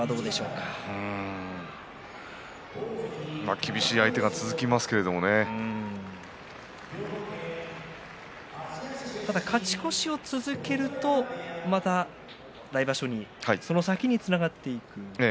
厳しい相手が勝ち越しを続けるとまた来場所、その先につながっていきますね。